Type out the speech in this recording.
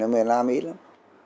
việt nam ít lắm